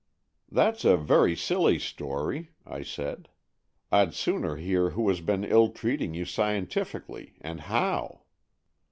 " That's a very silly story," I said. " I'd sooner hear who has been ill treating you scientifically, and how."